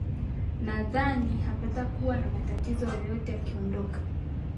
nadhani hapatakuwa na matatizo yoyote akiondoka